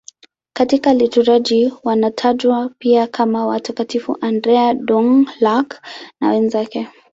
Katika liturujia wanatajwa pia kama Watakatifu Andrea Dũng-Lạc na wenzake.